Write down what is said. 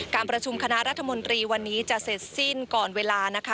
การประชุมคณะรัฐมนตรีวันนี้จะเสร็จสิ้นก่อนเวลานะคะ